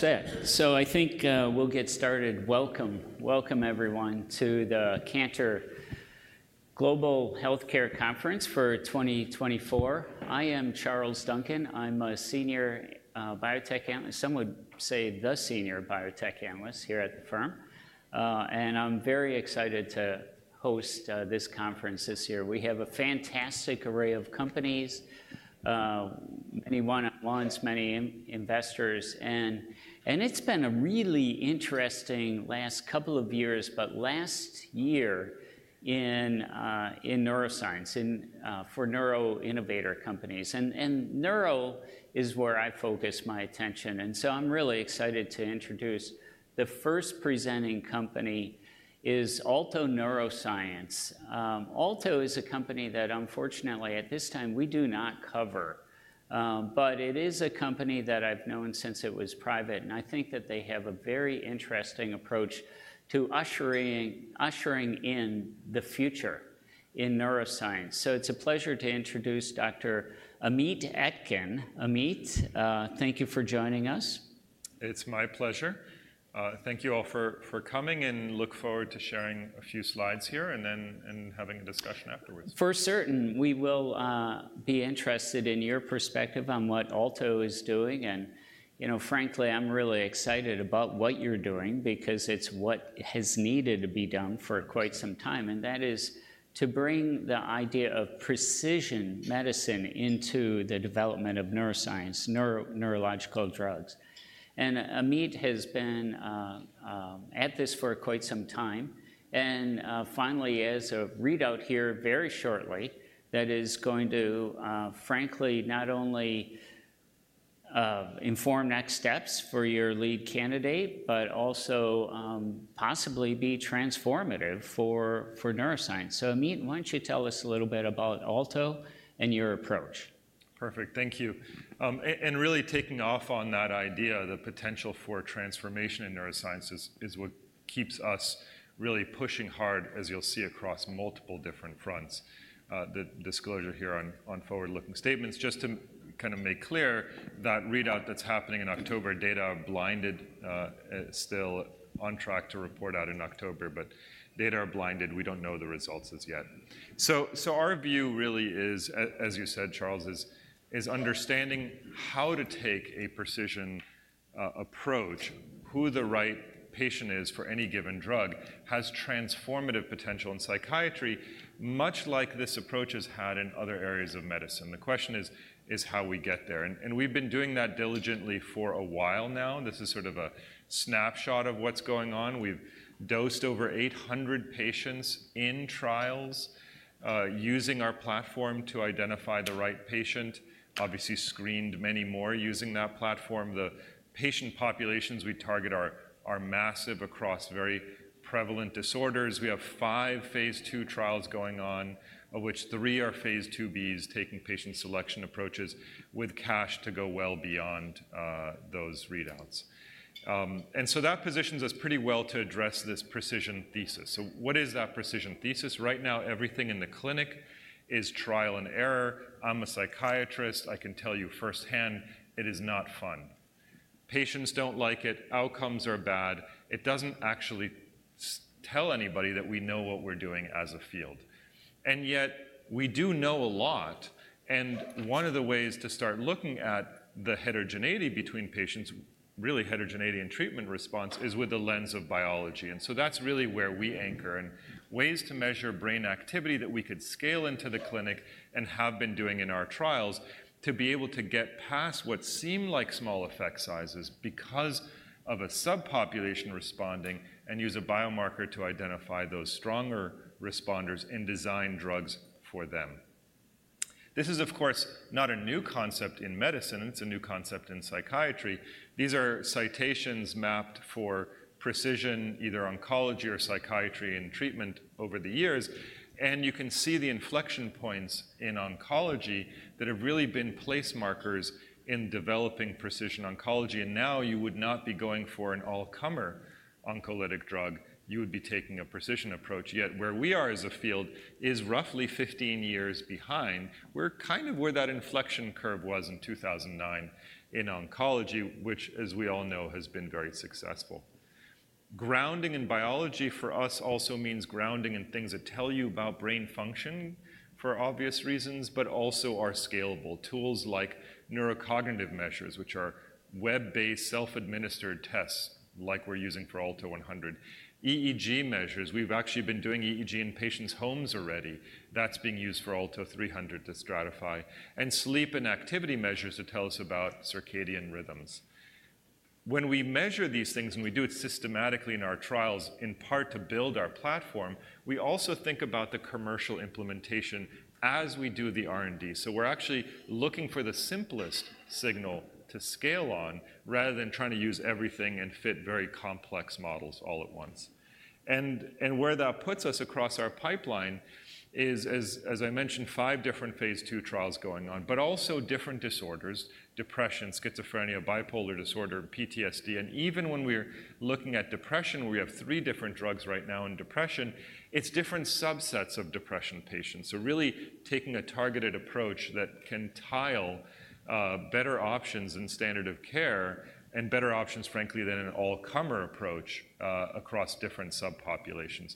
I think we'll get started. Welcome, welcome everyone to the Cantor Global Healthcare Conference for twenty twenty-four. I am Charles Duncan. I'm a senior biotech analyst, some would say the senior biotech analyst here at the firm, and I'm very excited to host this conference this year. We have a fantastic array of companies, many one-on-ones, many investors, and it's been a really interesting last couple of years, but last year in neuroscience for neuro innovator companies, and neuro is where I focus my attention, and so I'm really excited to introduce. The first presenting company is Alto Neuroscience. Alto is a company that unfortunately, at this time, we do not cover, but it is a company that I've known since it was private, and I think that they have a very interesting approach to ushering in the future in neuroscience. So it's a pleasure to introduce Dr. Amit Etkin. Amit, thank you for joining us. It's my pleasure. Thank you all for coming, and look forward to sharing a few slides here and then, and having a discussion afterwards. For certain, we will be interested in your perspective on what Alto is doing, and, you know, frankly, I'm really excited about what you're doing because it's what has needed to be done for quite some time, and that is to bring the idea of precision medicine into the development of neuroscience, neurological drugs. And Amit has been at this for quite some time, and finally, he has a readout here very shortly that is going to frankly not only inform next steps for your lead candidate, but also possibly be transformative for neuroscience. So, Amit, why don't you tell us a little bit about Alto and your approach? Perfect. Thank you. And really taking off on that idea, the potential for transformation in neuroscience is what keeps us really pushing hard, as you'll see, across multiple different fronts. The disclosure here on forward-looking statements, just to kind of make clear, that readout that's happening in October, data are blinded, still on track to report out in October, but data are blinded. We don't know the results as yet. Our view really is, as you said, Charles, understanding how to take a precision approach, who the right patient is for any given drug, has transformative potential in psychiatry, much like this approach has had in other areas of medicine. The question is how we get there, and we've been doing that diligently for a while now. This is sort of a snapshot of what's going on. We've dosed over eight hundred patients in trials using our platform to identify the right patient, obviously screened many more using that platform. The patient populations we target are massive across very prevalent disorders. We have five Phase 2 trials going on, of which three are Phase 2bs, taking patient selection approaches with cash to go well beyond those readouts, and so that positions us pretty well to address this precision thesis. So what is that precision thesis? Right now, everything in the clinic is trial and error. I'm a psychiatrist. I can tell you firsthand, it is not fun. Patients don't like it. Outcomes are bad. It doesn't actually tell anybody that we know what we're doing as a field, and yet we do know a lot, and one of the ways to start looking at the heterogeneity between patients, really heterogeneity in treatment response, is with the lens of biology, and so that's really where we anchor, and ways to measure brain activity that we could scale into the clinic and have been doing in our trials, to be able to get past what seem like small effect sizes because of a subpopulation responding, and use a biomarker to identify those stronger responders and design drugs for them. This is, of course, not a new concept in medicine. It's a new concept in psychiatry. These are citations mapped for precision, either oncology or psychiatry in treatment over the years, and you can see the inflection points in oncology that have really been place markers in developing precision oncology, and now you would not be going for an all-comer oncolytic drug, you would be taking a precision approach. Yet, where we are as a field is roughly 15 years behind. We're kind of where that inflection curve was in 2009 in oncology, which, as we all know, has been very successful. Grounding in biology for us also means grounding in things that tell you about brain function for obvious reasons, but also are scalable. Tools like neurocognitive measures, which are web-based, self-administered tests, like we're using for ALTO-100. EEG measures, we've actually been doing EEG in patients' homes already. That's being used for ALTO-300 to stratify. And sleep and activity measures to tell us about circadian rhythms. When we measure these things, and we do it systematically in our trials, in part to build our platform, we also think about the commercial implementation as we do the R&D. So we're actually looking for the simplest signal to scale on, rather than trying to use everything and fit very complex models all at once. And where that puts us across our pipeline is, as I mentioned, five different Phase 2 trials going on, but also different disorders: depression, schizophrenia, bipolar disorder, PTSD. And even when we're looking at depression, we have three different drugs right now in depression; it's different subsets of depression patients. So really taking a targeted approach that can tile better options and standard of care and better options, frankly, than an all-comer approach across different subpopulations.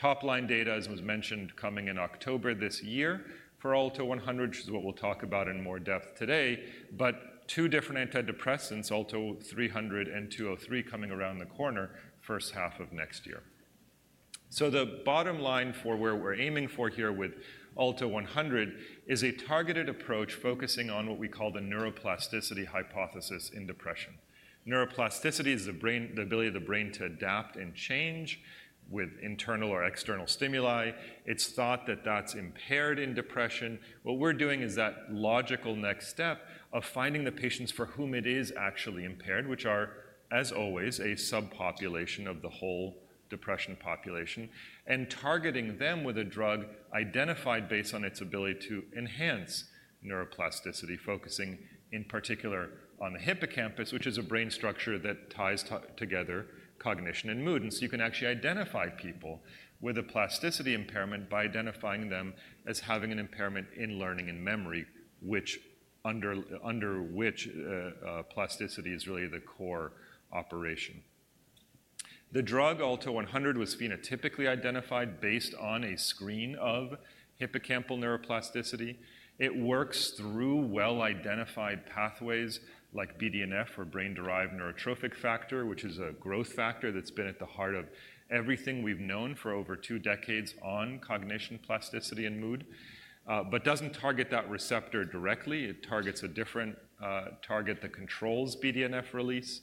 Top-line data, as was mentioned, coming in October this year for ALTO-100, which is what we'll talk about in more depth today, but two different antidepressants, ALTO-300 and ALTO-203, coming around the corner, first half of next year. So the bottom line for where we're aiming for here with ALTO-100 is a targeted approach focusing on what we call the neuroplasticity hypothesis in depression. Neuroplasticity is the ability of the brain to adapt and change with internal or external stimuli. It's thought that that's impaired in depression. What we're doing is that logical next step of finding the patients for whom it is actually impaired, which are, as always, a subpopulation of the whole depression population, and targeting them with a drug identified based on its ability to enhance neuroplasticity, focusing in particular on the hippocampus, which is a brain structure that ties together cognition and mood. And so you can actually identify people with a plasticity impairment by identifying them as having an impairment in learning and memory, under which plasticity is really the core operation. The drug ALTO-100 was phenotypically identified based on a screen of hippocampal neuroplasticity. It works through well-identified pathways like BDNF or brain-derived neurotrophic factor, which is a growth factor that's been at the heart of everything we've known for over two decades on cognition, plasticity, and mood. But doesn't target that receptor directly. It targets a different target that controls BDNF release.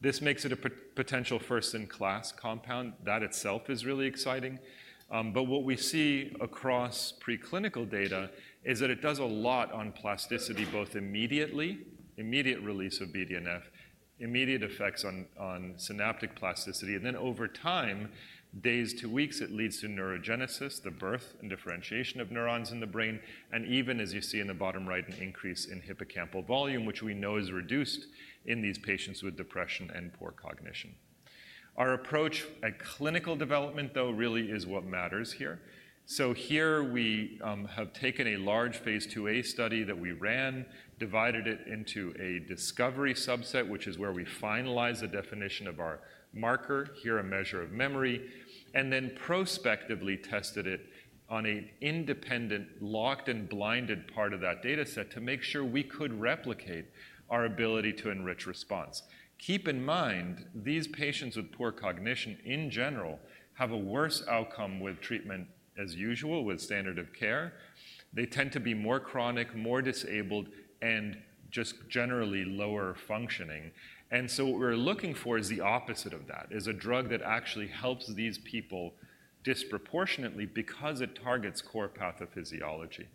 This makes it a potential first-in-class compound. That itself is really exciting. But what we see across preclinical data is that it does a lot on plasticity, both immediate release of BDNF, immediate effects on synaptic plasticity, and then over time, days to weeks, it leads to neurogenesis, the birth and differentiation of neurons in the brain, and even, as you see in the bottom right, an increase in hippocampal volume, which we know is reduced in these patients with depression and poor cognition. Our approach at clinical development, though, really is what matters here. So here we have taken a Phase 2a study that we ran, divided it into a discovery subset, which is where we finalize the definition of our marker, here a measure of memory, and then prospectively tested it on an independent, locked, and blinded part of that data set to make sure we could replicate our ability to enrich response. Keep in mind, these patients with poor cognition, in general, have a worse outcome with treatment as usual, with standard of care. They tend to be more chronic, more disabled, and just generally lower functioning. And so what we're looking for is the opposite of that, is a drug that actually helps these people disproportionately because it targets core pathophysiology.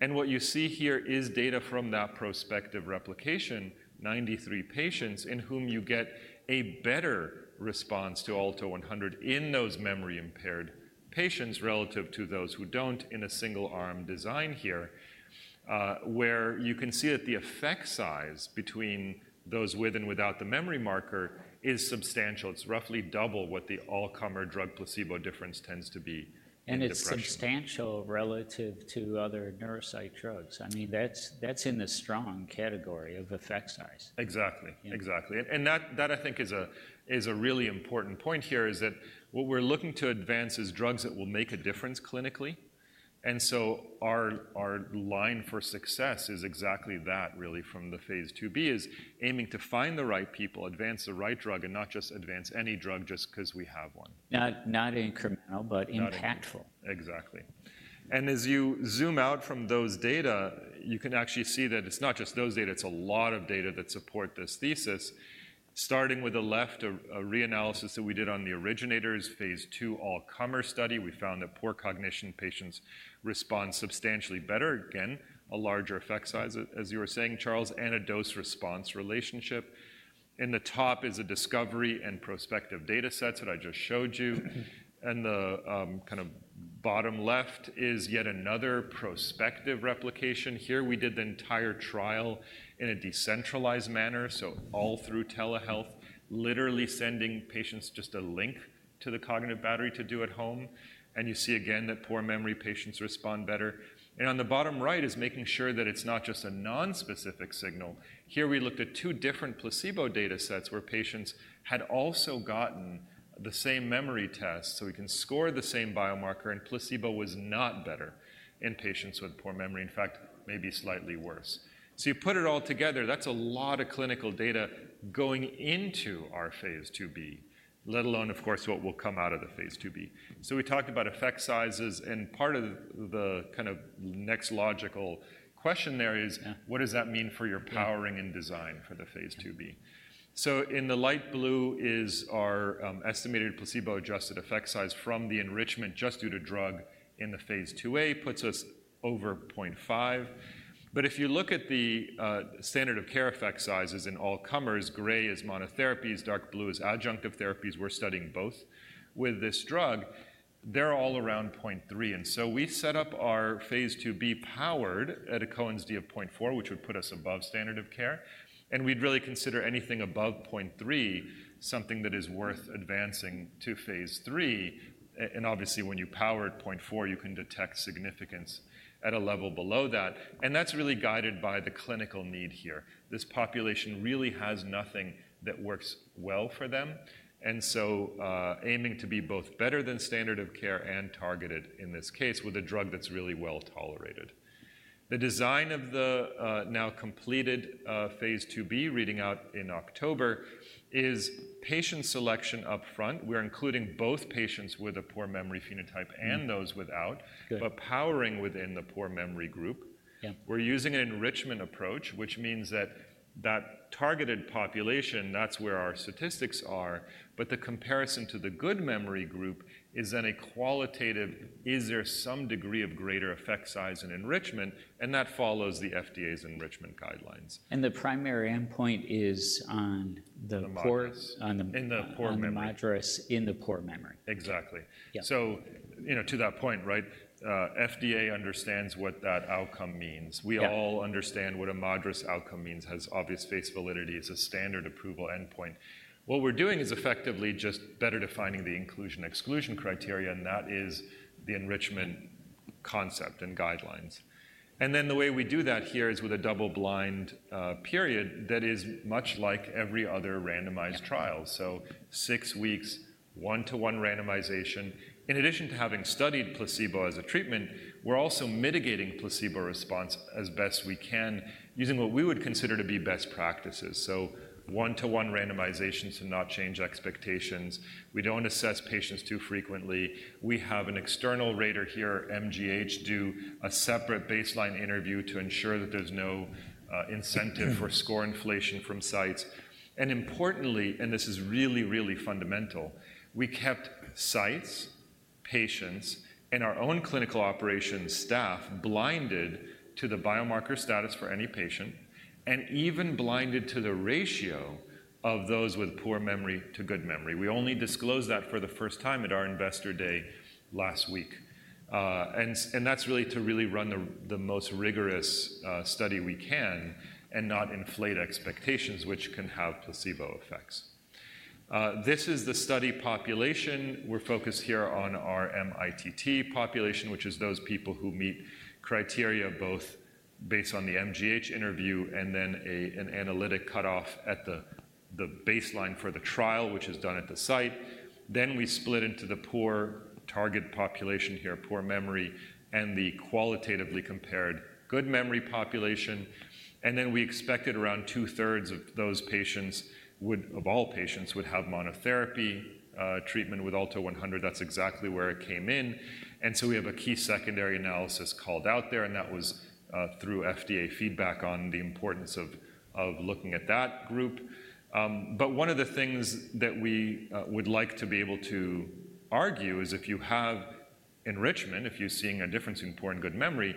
And what you see here is data from that prospective replication, 93 patients in whom you get a better response to ALTO-100 in those memory-impaired patients relative to those who don't in a single-arm design here, where you can see that the effect size between those with and without the memory marker is substantial. It's roughly double what the all-comer drug placebo difference tends to be in depression. It's substantial relative to other neuropsychiatric drugs. I mean, that's in the strong category of effect size. Exactly. Yeah. Exactly. And that I think is a really important point here, is that what we're looking to advance is drugs that will make a difference clinically. And so our line for success Phase 2b, is aiming to find the right people, advance the right drug, and not just advance any drug just 'cause we have one. Not, not incremental, but impactful. Not incremental. Exactly. And as you zoom out from those data, you can actually see that it's not just those data, it's a lot of data that support this thesis. Starting with the left, a reanalysis that we did on Phase 2 all-comer study, we found that poor cognition patients respond substantially better. Again, a larger effect size as you were saying, Charles, and a dose-response relationship. In the top is a discovery and prospective data sets that I just showed you. Mm-hmm. And the kind of bottom left is yet another prospective replication. Here, we did the entire trial in a decentralized manner, so all through telehealth, literally sending patients just a link to the cognitive battery to do at home. And you see again that poor memory patients respond better. And on the bottom right is making sure that it's not just a nonspecific signal. Here, we looked at two different placebo data sets where patients had also gotten the same memory test, so we can score the same biomarker, and placebo was not better in patients with poor memory. In fact, maybe slightly worse. So you put it all together, that's a lot of clinical data going into our Phase 2b, let alone, of course, what will come out of the Phase 2b. So we talked about effect sizes, and part of the kind of next logical question there is- Yeah... what does that mean for your powering- Mm... and design for the Phase 3? Mm. So in the light blue is our estimated placebo-adjusted effect size from the enrichment just due to drug in Phase 2a, puts us over point five. But if you look at the standard of care effect sizes in all comers, gray is monotherapies, dark blue is adjunctive therapies, we're studying both with this drug, they're all around point three. Phase 2b powered at a Cohen's d of point four, which would put us above standard of care. And we'd really consider anything above point three, something that is worth advancing to Phase 3. and obviously, when you power at point four, you can detect significance at a level below that, and that's really guided by the clinical need here. This population really has nothing that works well for them, and so, aiming to be both better than standard of care and targeted in this case with a drug that's really well-tolerated. The design of the now completed Phase 2b, reading out in October... is patient selection up front. We're including both patients with a poor memory phenotype and those without- Good. but powering within the poor memory group. Yeah. We're using an enrichment approach, which means that targeted population, that's where our statistics are, but the comparison to the good memory group is then a qualitative, is there some degree of greater effect size and enrichment, and that follows the FDA's enrichment guidelines. And the primary endpoint is on the poor- The MADRS. On the- In the poor memory. On the MADRS in the poor memory. Exactly. Yeah. So, you know, to that point, right? FDA understands what that outcome means. Yeah. We all understand what a MADRS outcome means, has obvious face validity as a standard approval endpoint. What we're doing is effectively just better defining the inclusion, exclusion criteria, and that is the enrichment concept and guidelines. And then the way we do that here is with a double-blind period that is much like every other randomized trial. Yeah. Six weeks, one-to-one randomization. In addition to having studied placebo as a treatment, we're also mitigating placebo response as best we can, using what we would consider to be best practices. One-to-one randomization to not change expectations. We don't assess patients too frequently. We have an external rater here at MGH do a separate baseline interview to ensure that there's no incentive for score inflation from sites. Importantly, and this is really, really fundamental, we kept sites, patients, and our own clinical operations staff blinded to the biomarker status for any patient, and even blinded to the ratio of those with poor memory to good memory. We only disclosed that for the first time at our Investor Day last week. That's really to really run the most rigorous study we can and not inflate expectations, which can have placebo effects. This is the study population. We're focused here on our mITT population, which is those people who meet criteria both based on the MGH interview and then an analytic cutoff at the baseline for the trial, which is done at the site. Then we split into the poor target population here, poor memory, and the qualitatively compared good memory population. And then we expected around two-thirds of those patients would of all patients, would have monotherapy treatment with ALTO-100. That's exactly where it came in. And so we have a key secondary analysis called out there, and that was through FDA feedback on the importance of looking at that group. But one of the things that we would like to be able to argue is if you have enrichment, if you're seeing a difference in poor and good memory,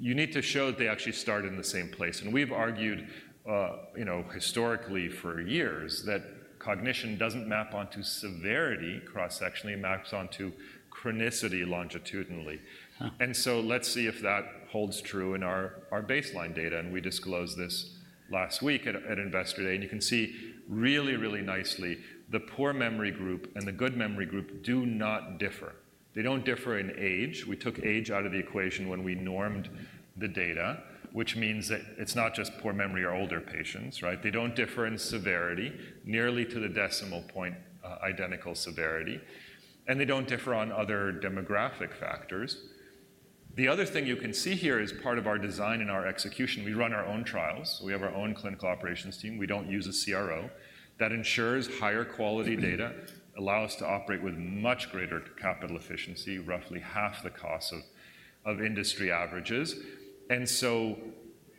you need to show they actually start in the same place. And we've argued, you know, historically for years, that cognition doesn't map onto severity cross-sectionally, it maps onto chronicity longitudinally. Huh. And so let's see if that holds true in our baseline data, and we disclosed this last week at Investor Day. And you can see really, really nicely, the poor memory group and the good memory group do not differ. They don't differ in age. We took age out of the equation when we normed the data, which means that it's not just poor memory or older patients, right? They don't differ in severity, nearly to the decimal point, identical severity, and they don't differ on other demographic factors. The other thing you can see here is part of our design and our execution. We run our own trials. We have our own clinical operations team. We don't use a CRO. That ensures higher quality data, allow us to operate with much greater capital efficiency, roughly half the cost of industry averages. And so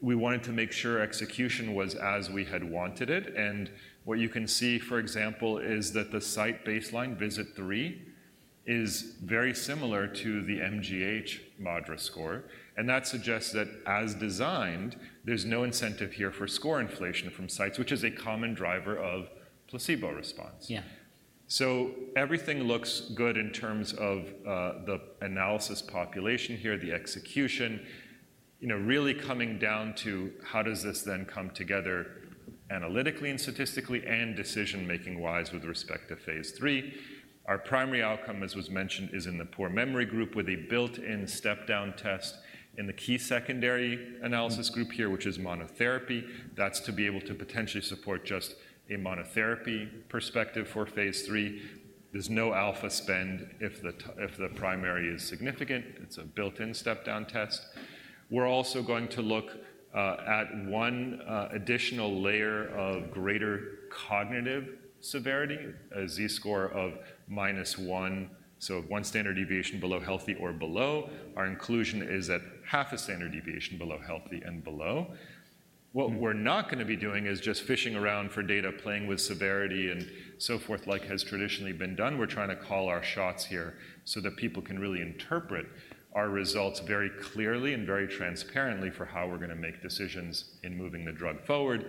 we wanted to make sure execution was as we had wanted it. And what you can see, for example, is that the site baseline, Visit 3, is very similar to the MGH MADRS score, and that suggests that, as designed, there's no incentive here for score inflation from sites, which is a common driver of placebo response. Yeah. So everything looks good in terms of, the analysis population here, the execution. You know, really coming down to how does this then come together analytically and statistically, and decision-making-wise with respect to Phase 3? our primary outcome, as was mentioned, is in the poor memory group with a built-in step-down test in the key secondary analysis group here, which is monotherapy. That's to be able to potentially support just a monotherapy perspective for Phase 3. there's no alpha spend if the primary is significant. It's a built-in step-down test. We're also going to look at one additional layer of greater cognitive severity, a Z-score of minus one, so one standard deviation below healthy or below. Our inclusion is at half a standard deviation below healthy and below. What we're not gonna be doing is just fishing around for data, playing with severity and so forth, like has traditionally been done. We're trying to call our shots here so that people can really interpret our results very clearly and very transparently for how we're gonna make decisions in moving the drug forward.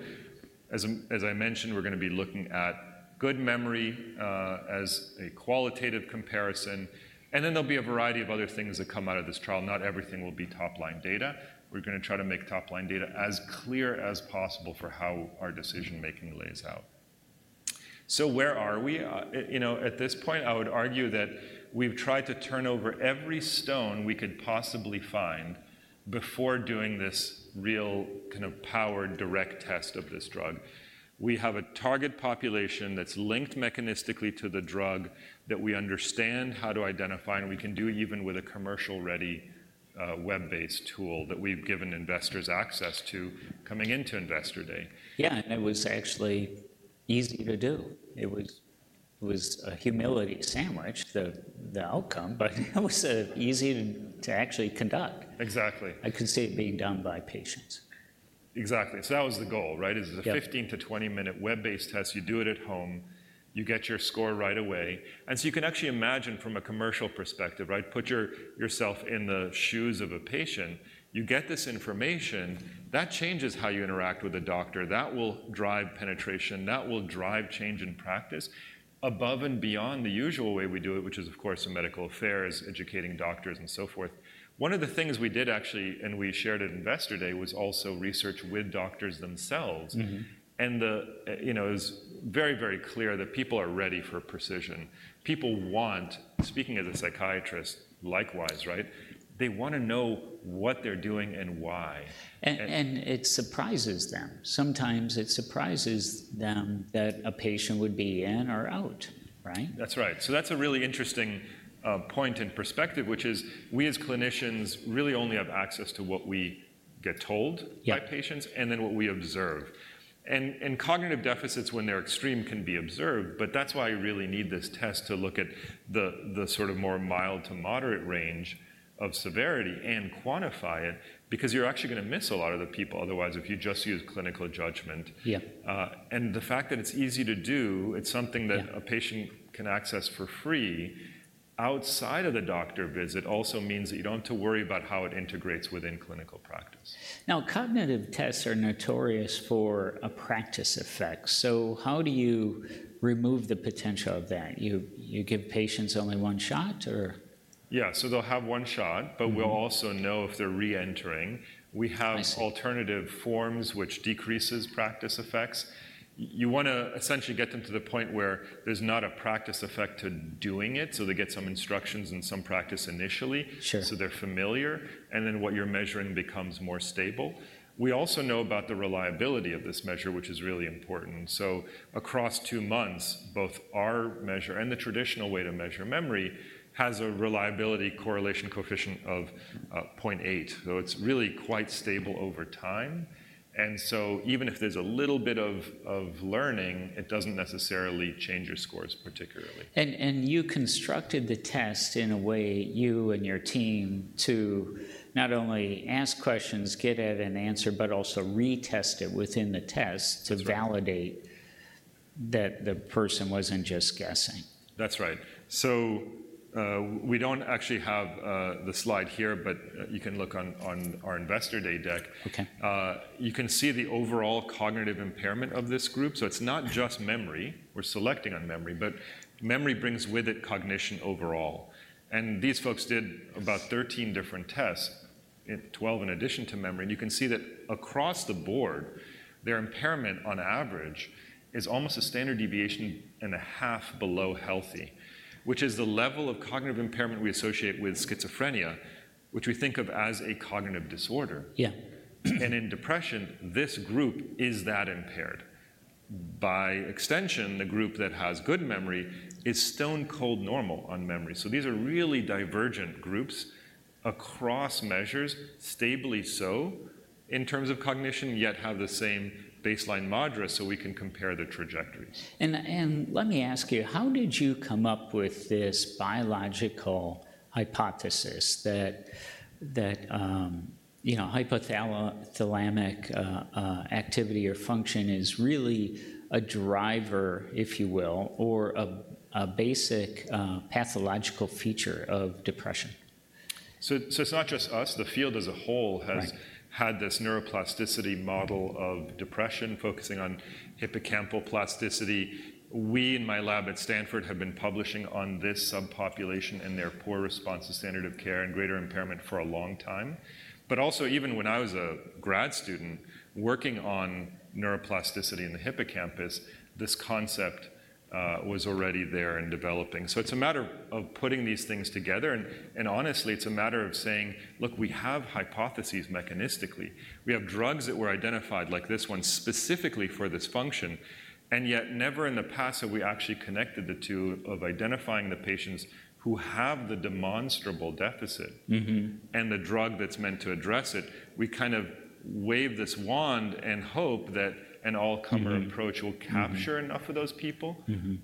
As I mentioned, we're gonna be looking at good memory as a qualitative comparison, and then there'll be a variety of other things that come out of this trial. Not everything will be top-line data. We're gonna try to make top-line data as clear as possible for how our decision-making lays out. So where are we? You know, at this point, I would argue that we've tried to turn over every stone we could possibly find before doing this real kind of powered direct test of this drug. We have a target population that's linked mechanistically to the drug, that we understand how to identify, and we can do even with a commercial-ready web-based tool that we've given investors access to coming into Investor Day. Yeah, and it was actually easy to do. It was a humility sandwich, the outcome, but that was easy to actually conduct. Exactly. I can see it being done by patients. Exactly. So that was the goal, right? Yeah. Is a 15- to 20-minute web-based test. You do it at home, you get your score right away, and so you can actually imagine from a commercial perspective, right? Put yourself in the shoes of a patient. You get this information, that changes how you interact with a doctor. That will drive penetration, that will drive change in practice above and beyond the usual way we do it, which is, of course, in medical affairs, educating doctors, and so forth. One of the things we did actually, and we shared at Investor Day, was also research with doctors themselves. Mm-hmm. The, you know, it was very, very clear that people are ready for precision. People want, speaking as a psychiatrist, likewise, right? They want to know what they're doing and why. And- It surprises them. Sometimes it surprises them that a patient would be in or out, right? That's right. So that's a really interesting point and perspective, which is we, as clinicians, really only have access to what we get told- Yeah... by patients, and then what we observe and cognitive deficits, when they're extreme, can be observed, but that's why you really need this test to look at the sort of more mild to moderate range of severity and quantify it, because you're actually going to miss a lot of the people otherwise, if you just use clinical judgment. Yeah. The fact that it's easy to do, it's something that... Yeah... a patient can access for free outside of the doctor visit, also means that you don't have to worry about how it integrates within clinical practice. Now, cognitive tests are notorious for a practice effect, so how do you remove the potential of that? You give patients only one shot, or? Yeah, so they'll have one shot- Mm-hmm.... but we'll also know if they're reentering. I see. We have alternative forms, which decreases practice effects. You want to essentially get them to the point where there's not a practice effect to doing it, so they get some instructions and some practice initially. Sure... so they're familiar, and then what you're measuring becomes more stable. We also know about the reliability of this measure, which is really important. So across two months, both our measure and the traditional way to measure memory has a reliability correlation coefficient of 0.8, so it's really quite stable over time. And so even if there's a little bit of learning, it doesn't necessarily change your scores particularly. You constructed the test in a way, you and your team, to not only ask questions, get at an answer, but also retest it within the test- That's right... to validate that the person wasn't just guessing. That's right. So, we don't actually have the slide here, but you can look on our Investor Day deck. Okay. You can see the overall cognitive impairment of this group. So it's not just memory. We're selecting on memory, but memory brings with it cognition overall, and these folks did about 13 different tests, 12 in addition to memory, and you can see that across the board, their impairment on average is almost a standard deviation and a half below healthy, which is the level of cognitive impairment we associate with schizophrenia, which we think of as a cognitive disorder. Yeah. And in depression, this group is that impaired. By extension, the group that has good memory is stone-cold normal on memory. So these are really divergent groups across measures, stably so in terms of cognition, yet have the same baseline MADRS, so we can compare the trajectories. Let me ask you, how did you come up with this biological hypothesis that you know, hypothalamic activity or function is really a driver, if you will, or a basic pathological feature of depression? So, it's not just us. The field as a whole has- Right ... had this neuroplasticity model of depression, focusing on hippocampal plasticity. We, in my lab at Stanford, have been publishing on this subpopulation and their poor response to standard of care and greater impairment for a long time. But also even when I was a grad student working on neuroplasticity in the hippocampus, this concept was already there and developing. So it's a matter of putting these things together, and honestly, it's a matter of saying: "Look, we have hypotheses mechanistically. We have drugs that were identified, like this one, specifically for this function," and yet never in the past have we actually connected the two of identifying the patients who have the demonstrable deficit- Mm-hmm... and the drug that's meant to address it. We kind of wave this wand and hope that an all-comer- Mm-hmm... approach will capture- Mm-hmm... enough of those people. Mm-hmm.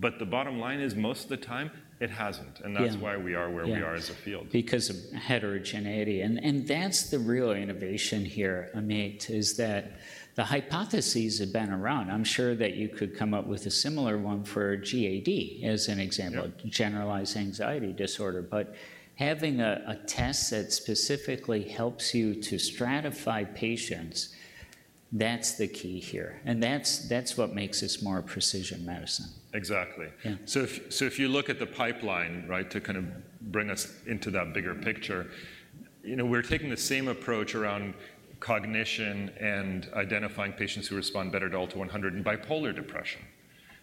But the bottom line is, most of the time, it hasn't- Yeah... and that's why we are where we are. Yeah... as a field. Because of heterogeneity, and that's the real innovation here, Amit, is that the hypotheses have been around. I'm sure that you could come up with a similar one for GAD, as an example. Yeah... Generalized Anxiety Disorder. But having a test that specifically helps you to stratify patients, that's the key here, and that's what makes this more precision medicine. Exactly. Yeah. So if you look at the pipeline, right, to kind of bring us into that bigger picture, you know, we're taking the same approach around cognition and identifying patients who respond better to ALTO-100 and bipolar depression.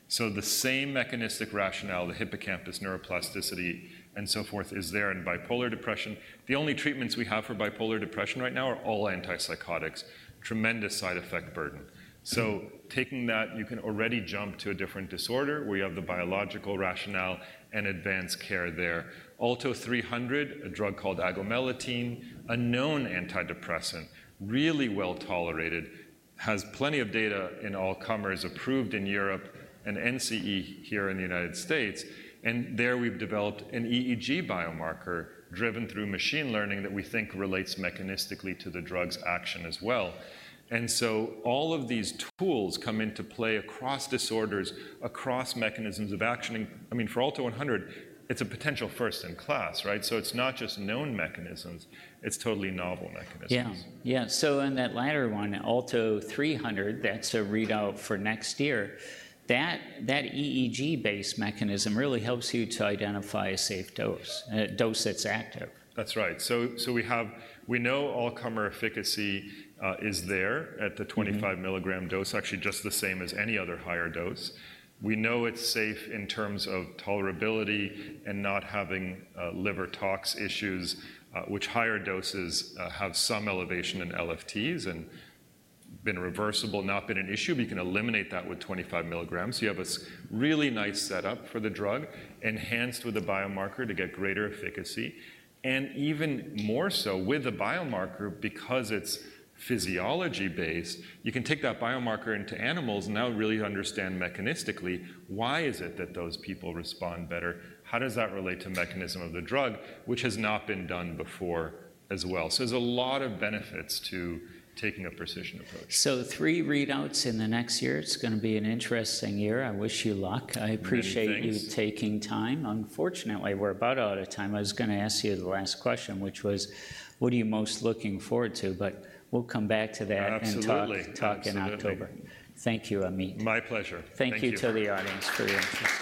So the same mechanistic rationale, the hippocampus neuroplasticity, and so forth, is there in bipolar depression. The only treatments we have for bipolar depression right now are all antipsychotics. Tremendous side effect burden. So taking that, you can already jump to a different disorder, where you have the biological rationale and advanced care there. ALTO-300, a drug called agomelatine, a known antidepressant, really well-tolerated, has plenty of data in all comers, approved in Europe and NCE here in the United States, and there we've developed an EEG biomarker driven through machine learning that we think relates mechanistically to the drug's action as well. And so all of these tools come into play across disorders, across mechanisms of action. I mean, for ALTO-100, it's a potential first in class, right? So it's not just known mechanisms, it's totally novel mechanisms. Yeah. Yeah, so in that latter one, ALTO-300, that's a readout for next year, that EEG-based mechanism really helps you to identify a safe dose, a dose that's active. That's right. So, we have, we know all-comer efficacy is there at the- Mm-hmm... twenty-five milligram dose, actually just the same as any other higher dose. We know it's safe in terms of tolerability and not having liver tox issues, which higher doses have some elevation in LFTs and been reversible, not been an issue, but you can eliminate that with twenty-five milligrams. You have a really nice setup for the drug, enhanced with a biomarker to get greater efficacy, and even more so with a biomarker because it's physiology-based, you can take that biomarker into animals and now really understand mechanistically why is it that those people respond better? How does that relate to mechanism of the drug, which has not been done before as well. So there's a lot of benefits to taking a precision approach. So three readouts in the next year. It's going to be an interesting year. I wish you luck. Many thanks. I appreciate you taking time. Unfortunately, we're about out of time. I was going to ask you the last question, which was, what are you most looking forward to? But we'll come back to that- Absolutely... and talk in October. Absolutely. Thank you, Amit. My pleasure. Thank you. Thank you to the audience for your interest.